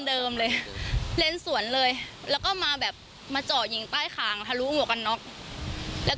เดิมเลยเลนสวนเลยแล้วก็มาแบบมาเจาะยิงใต้ขางทะลุหมวกกันน็อกแล้วก็